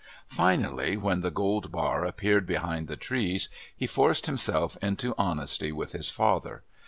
Finally, when the gold bar appeared behind the trees he forced himself into honesty with his father.